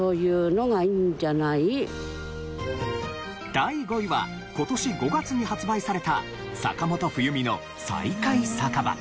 第５位は今年５月に発売された坂本冬美の『再会酒場』。